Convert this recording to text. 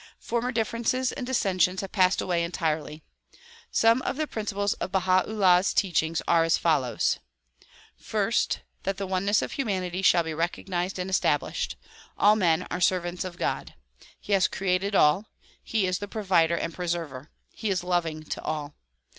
Former differences and dissensions have passed away entirely. Some of the principles of Baha 'Ullah 's teaching are as follows: First; that the oneness of humanity shall be recognized and established. All men are the servants of God. He has created all ; he is the provider and preserver; he is loving to all.